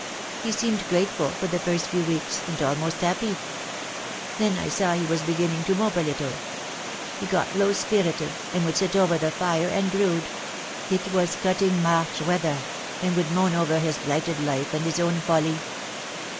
He seemed grateful, for the first few weeks, and almost happy. Then I saw he was beginning to mope a little. He got low spirited, and would sit over the fire and brood — it was cutting March weather— and would moan over his blighted life, and his own folly.